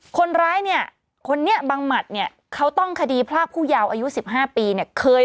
คนร้ายเนี่ยคนนี้บังหมัดเนี่ยเขาต้องคดีพรากผู้ยาวอายุ๑๕ปีเนี่ย